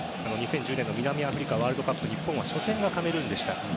２０１０年南アフリカワールドカップで日本は初戦がカメルーンでした。